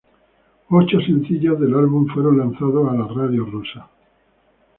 Ocho sencillos del álbum fueron lanzados a las radios rusas.